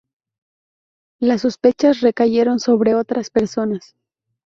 Las sospechas recayeron sobre otras personas.